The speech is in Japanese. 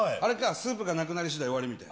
スープがなくなりしだい終わりみたいな。